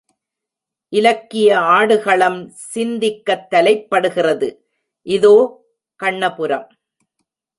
இலக்கிய ஆடுகளம் சிந்திக்கத் தலைப்படுகிறது இதோ, கண்ணபுரம்!